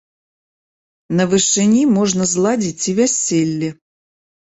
На вышыні можна зладзіць і вяселле.